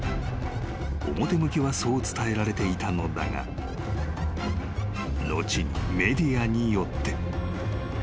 ［表向きはそう伝えられていたのだが後にメディアによって］